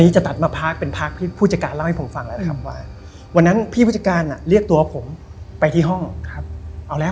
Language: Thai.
จะมาใช้บริการ